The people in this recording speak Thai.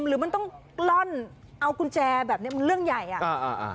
หรือมันต้องกล้อนเอากุญแจแบบเนี้ยมันเรื่องใหญ่อ่ะอ่าอ่า